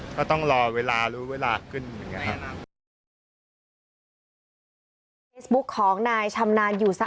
ก็ต้องรอเวลารู้เวลาขึ้น